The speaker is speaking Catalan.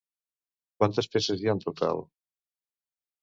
Quantes peces hi ha en total?